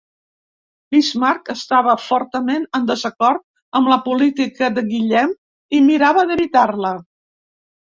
Bismarck estava fortament en desacord amb la política de Guillem i mirava d'evitar-la.